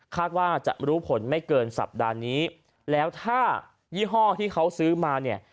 ว่าจะรู้ผลไม่เกินสัปดาห์นี้แล้วถ้ายี่ห้อที่เขาซื้อมาเนี่ย